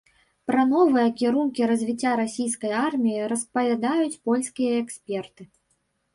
Пра новыя кірункі развіцця расійскай арміі распавядаюць польскія эксперты.